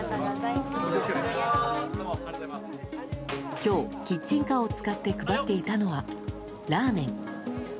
今日、キッチンカーを使って配っていたのは、ラーメン。